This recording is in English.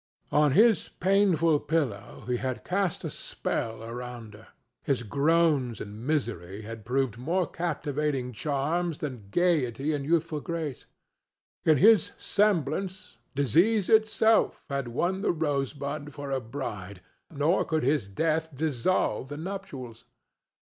On his painful pillow he had cast a spell around her; his groans and misery had proved more captivating charms than gayety and youthful grace; in his semblance Disease itself had won the Rosebud for a bride, nor could his death dissolve the nuptials.